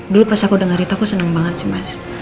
dulu pas aku dengar itu aku senang banget sih mas